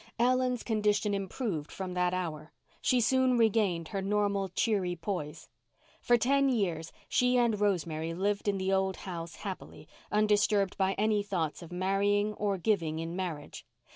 Ellen's condition improved from that hour. She soon regained her normal cheery poise. For ten years she and Rosemary lived in the old house happily, undisturbed by any thought of marrying or giving in marriage.